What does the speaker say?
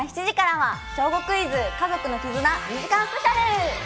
今夜７時からは『小５クイズ』家族の絆２時間スペシャル！